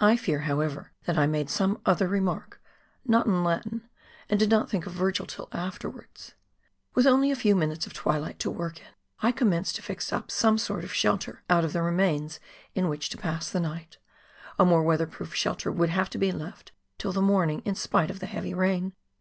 I fear, however, that I made some other remark — not in Latin — and did not think of Virgil till afterwards ! "With only a few minutes of twilight to work in, I commenced to fix up some sort of shelter out of the remains in which to pass the night ; a more weather proof shelter would have to be left till the morning, in spite of the heavy rain.